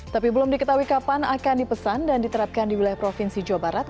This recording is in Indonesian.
tapi belum diketahui kapan akan dipesan dan diterapkan di wilayah provinsi jawa barat